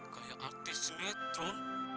kayak artis metron